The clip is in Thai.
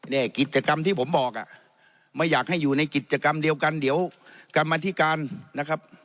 นี่กิจกรรมที่ผมบอกอ่ะไม่อยากให้อยู่ในกิจกรรมเดียวกันเดี๋ยวกรรมธิการนะครับ